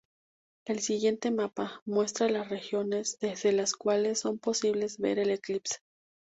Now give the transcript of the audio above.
El siguiente mapa muestra las regiones desde las cuales son posibles ver el eclipse.